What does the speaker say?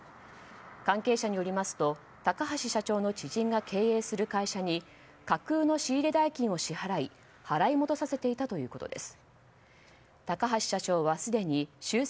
関係者によりますと高橋社長の知人が経営する会社に架空の仕入れ代金を支払い払い戻させていたということです。